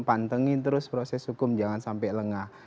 pantengin terus proses hukum jangan sampai lengah